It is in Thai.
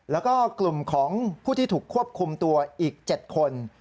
แล้วก็กลุ่มของผู้ที่ถูกควบคุมตัวอีก๗คน